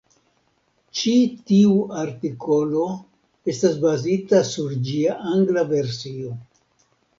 Ĉi tiu artikolo estas bazita sur ĝia angla versio.